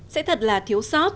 sẽ thật là thiếu sót